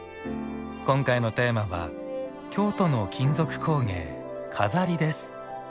今回のテーマは「京都の金属工芸錺」です。